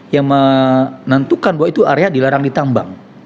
yang menentukan bahwa itu area dilarang ditambang